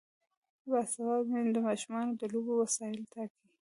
باسواده میندې د ماشومانو د لوبو وسایل ټاکي.